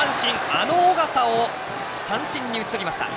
あの緒方を三振に打ち取りました。